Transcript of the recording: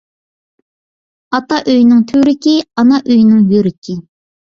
ئاتا ئۆينىڭ تۈۋرۈكى، ئانا ئۆينىڭ يۈرىكى.